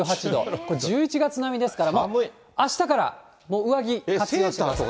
これ１１月並みですから、もうあしたから上着、活用してください。